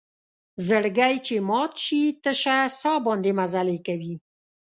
زړګۍ چې مات شي تشه سا باندې مزلې کوي